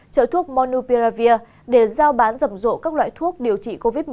trợ thuốc monupiravir để giao bán rầm rộ các loại thuốc điều trị covid một mươi chín